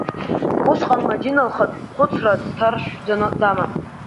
Усҟан Мадина лхатә хәыцра дҭаршәӡаны даман.